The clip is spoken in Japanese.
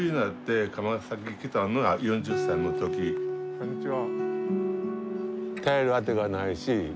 こんにちは。